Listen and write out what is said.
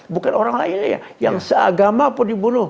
bukan orang lain yang seagama pun dibunuh